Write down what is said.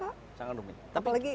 apalagi hari ini